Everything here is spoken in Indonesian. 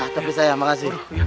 tepi saya makasih